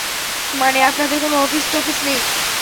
মানে, আপনাদের কোনো অফিস-টফিস নেই?